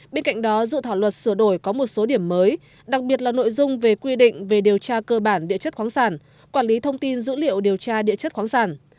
bên cạnh đó dự thảo luật sửa đổi có một số điểm mới đặc biệt là nội dung về quy định về điều tra cơ bản địa chất khoáng sản quản lý thông tin dữ liệu điều tra địa chất khoáng sản